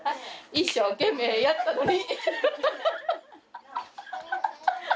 一生懸命やったのに！